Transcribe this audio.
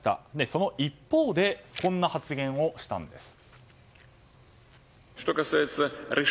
その一方でこんな発言をしたんです。